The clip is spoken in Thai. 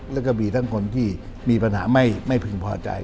แล้วก็มีทั้งคนที่มีปัญหาไม่พึงพอใจ